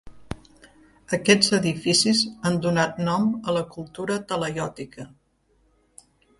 Aquests edificis han donat nom a la cultura talaiòtica.